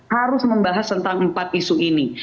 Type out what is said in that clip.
harus membahas tentang empat isu ini